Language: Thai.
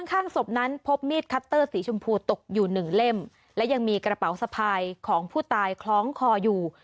ข้างศพนั้นพบมีดคัตเตอร์สีชมพูตกอยู่หนึ่งเล่มและยังมีกระเป๋าสะพายของผู้ตายคล้องคออยู่